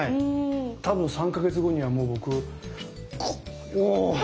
多分３か月後にはもう僕クッ！